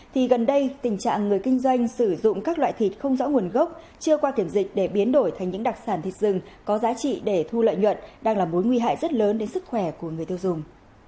thì gần đây tình trạng người kinh doanh sử dụng các loại thịt không rõ nguồn gốc chưa qua kiểm dịch để biến đổi thành những đặc sản thịt rừng có giá trị để thu lợi nhuận đang là mối nguy hại rất lớn đến sức khỏe của người tiêu dùng